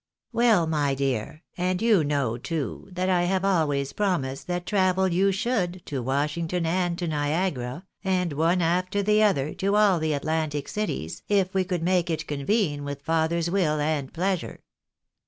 Well, my dear, and you know, too, that I have always promised that travel you should to Washington and to Niagara, and, one after the other, to all the Atlantic cities if we could make it convene with father's will and pleasure.